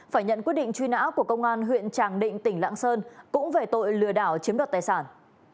phải nhận quyết định truy nã của công an huyện tràng định tỉnh lạng sơn cũng về tội lừa đảo chiếm đoạt tài sản